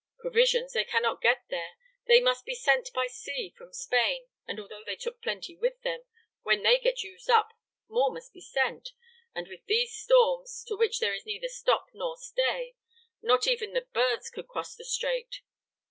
"Provisions they cannot get there; they must be sent by sea from Spain; and although they took plenty with them, when they get used up more must be sent, and with these storms, to which there is neither stop nor stay, not even the birds could cross the Strait.